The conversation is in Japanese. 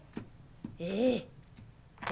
ええ。